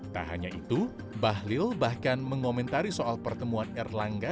tak hanya itu bahlil bahkan mengomentari soal pertemuan erlangga